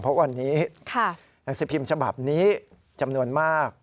เพราะวันนี้หนังสือพิมพ์ฉบับนี้จำนวนมาก